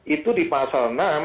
itu di pasal enam